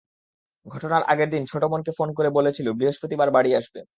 ঘটনার আগের দিন ছোট বোনকে ফোন করে বলেছিল বৃহস্পতিবার বাড়ি আসবে।